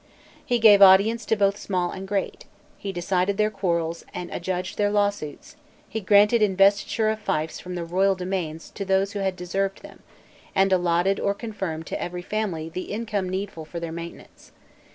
He gave audience to both small and great, he decided their quarrels and adjudged their lawsuits, he granted investiture of fiefs from the royal domains to those who had deserved them, and allotted or confirmed to every family the income needful for their maintenance.